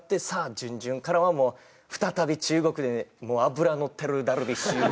準々からはもう再び中国で脂のってるダルビッシュ。